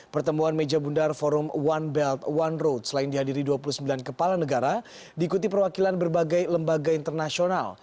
pertemuan meja bundar forum one belt one road selain dihadiri dua puluh sembilan kepala negara diikuti perwakilan berbagai lembaga internasional